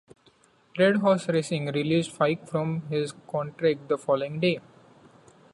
Red Horse Racing released Fike from his contract the following day.